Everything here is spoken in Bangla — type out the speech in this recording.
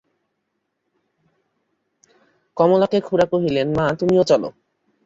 কমলাকে খুড়া কহিলেন, মা, তুমিও চলো।